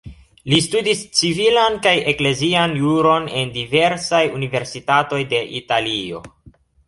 Li studis civilan kaj eklezian juron en diversaj universitatoj de Italio.